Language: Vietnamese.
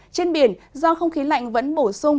trên biển do không khí lạnh vẫn bổ dụng